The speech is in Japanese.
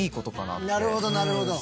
なるほどなるほど。